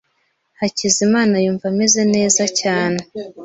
Hakizimana yumva ameze neza cyane.